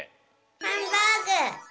ハンバーグ！